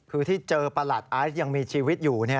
คือที่เจอประหลัดไอซ์ยังมีชีวิตอยู่